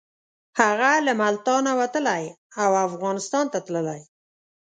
هغه له ملتانه وتلی او افغانستان ته تللی.